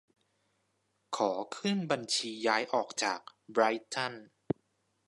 ขอขึ้นบัญชีย้ายออกจาก ไบรท์ตัน